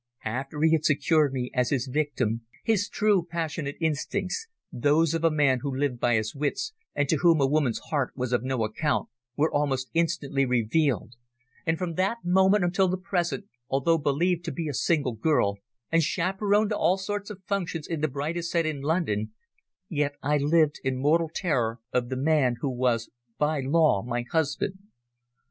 After he had secured me as his victim, his true passionate instincts those of a man who lived by his wits and to whom a woman's heart was of no account were almost instantly revealed, and from that moment until the present, although believed to be a single girl, and chaperoned to all sorts of functions in the brightest set in London, yet I lived in mortal terror of the man who was by law my husband."